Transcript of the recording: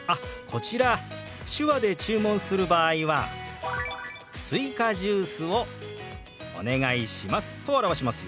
こちら手話で注文する場合は「すいかジュースをお願いします」と表しますよ。